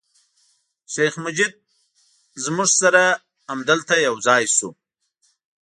شیخ مجید له موږ سره همدلته یو ځای شو.